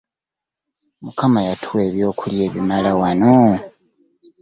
Mukama yatuwa ebyokulya ebimala wano.